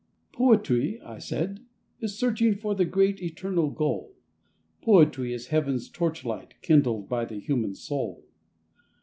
"Poetry," I said, "is searching For the great eternal goal; Poetry is heaven's torch light Kindled by the human soul.